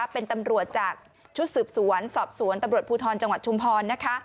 เป็นตำรวจจากชุดสืบสวนสอบสวนตำรวจภูทรจังหวัดชุมพรนะคะ